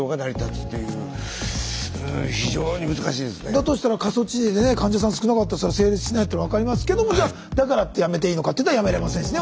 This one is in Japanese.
だとしたら過疎地でね患者さん少なかったらそれは成立しないっていうの分かりますけどもじゃあだからってやめていいのかっていったらやめれませんしね